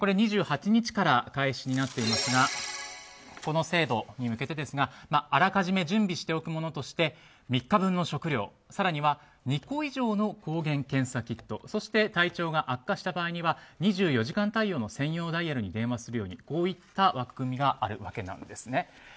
２８日から開始になっていますがこの制度ですがあらかじめ準備しておくものとして３日分の食料更には２個以上の抗原検査キットそして体調が悪化した場合には２４時間対応の専用ダイヤルに電話するようにこういった枠組みがあるわけなんです。